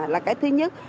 là cái thứ nhất